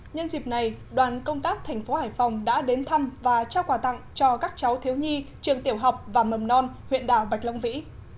nhân dịp này đoàn công tác thành phố hải phòng đã đến thăm và trao quà tặng cho các cháu thiếu nhi trường tiểu học và mầm non huyện đảo bạch long vĩ